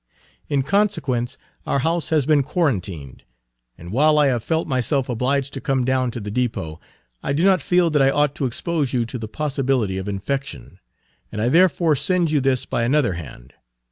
In consequence our house has been quarantined; and while I have felt myself obliged to come down to the depot, I do not feel that I ought to expose you to the possibility of infection, and I therefore send you this by another hand.